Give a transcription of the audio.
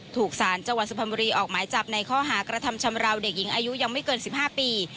ถูกสารจังหวัดสุพรรณบุรีออกหมายจับในข้อหากระทำชำราวเด็กหญิงอายุยังไม่เกิน๑๕ปี